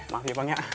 maaf ya bang ya